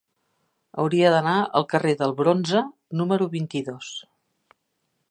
Hauria d'anar al carrer del Bronze número vint-i-dos.